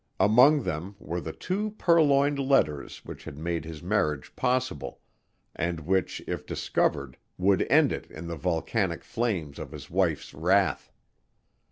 Among them were the two purloined letters which had made his marriage possible, and which if discovered would end it in the volcanic flames of his wife's wrath.